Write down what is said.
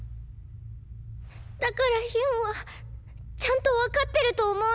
だからヒュンはちゃんと分かってると思うんです。